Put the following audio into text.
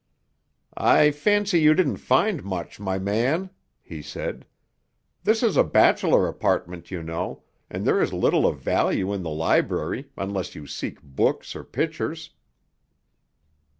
"I fancy you didn't find much, my man," he said. "This is a bachelor apartment, you know, and there is little of value in the library unless you seek books or pictures."